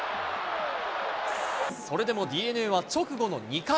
それでもＤｅＮＡは直後の２回。